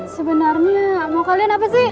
sebenarnya mau kalian apa sih